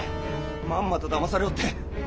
まんまとだまされおって。